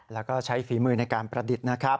แล้วก็ใช้ฝีมือในการประดิษฐ์นะครับ